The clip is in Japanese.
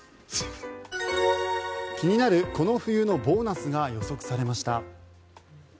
気になるこの冬のボーナスが予測されました。